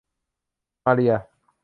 มาเรีย